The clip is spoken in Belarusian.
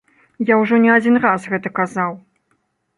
Я ўжо не адзін раз гэта казаў.